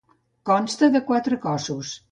Consta de quatre cossos.